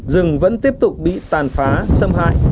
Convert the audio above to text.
rừng vẫn tiếp tục bị tàn phá xâm hại